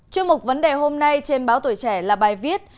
chuyên mục vấn đề hôm nay trên báo tuổi trẻ là bài viết